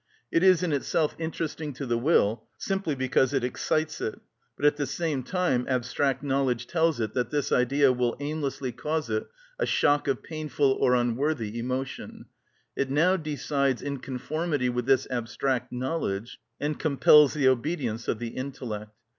It is in itself interesting to the will simply because it excites it, but at the same time abstract knowledge tells it that this idea will aimlessly cause it a shock of painful or unworthy emotion: it now decides in conformity with this abstract knowledge, and compels the obedience of the intellect.